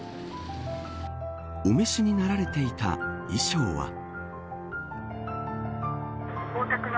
お召しになられていた衣装は。